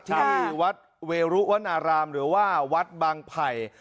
ที่วัดเวรุวนารามหรือว่าวัดบางไผ่